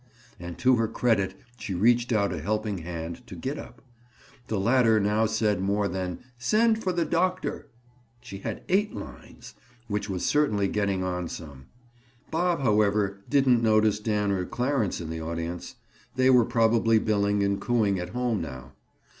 And to her credit she reached out a helping hand to Gid up. The latter now said more than "Send for the doctor." She had eight lines—which was certainly getting on some. Bob, however, didn't notice Dan or Clarence in the audience. They were probably billing and cooing at home now.